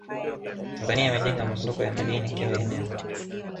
Tanzania imejenga masoko ya madini kila eneo